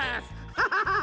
ハハハハ！